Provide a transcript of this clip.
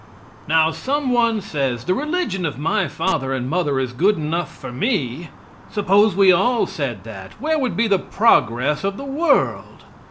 Now some one says, "The religion of my father and mother is good enough for me." Suppose we all said that, where would be the progress of the world?